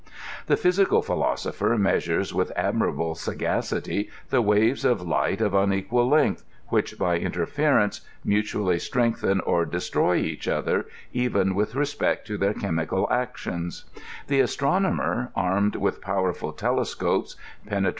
The physical philosopher measures with admirable sagacity the waves of light of unequal length which by interference mutually strengthen or destroy each other, even with respect to their diemical actions ; the astronomer, armed with powerful telescopes, penetra!